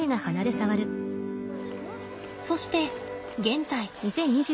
そして現在。